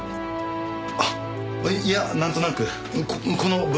あっいやなんとなくこの文面から。